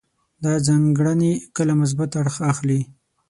دا ځانګړنې کله مثبت اړخ اخلي.